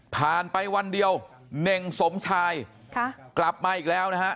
ผ่านไปวันเดียวเน่งสมชายกลับมาอีกแล้วนะฮะ